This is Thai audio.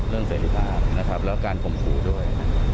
เรื่องเสร็จภาพนะครับแล้วก็การคมผู้ด้วย